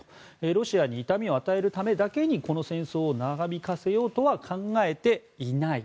ロシアに痛みを与えるためだけにこの戦争を長引かせようとは考えていない。